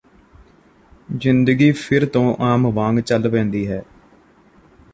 ਜ਼ਿੰਦਗੀ ਫਿਰ ਤੋਂ ਆਮ ਵਾਂਗ ਚਲ ਪੈਂਦੀ ਹੈ